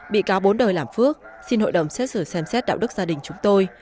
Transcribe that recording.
bị cáo bốn đời làm phước xin hội đồng xét xử xem xét đạo đức gia đình chúng tôi